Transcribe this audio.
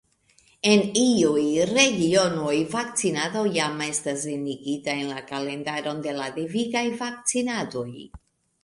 En iuj regionoj vakcinado jam estas enigita en la kalendaron de la devigaj vakcinadoj.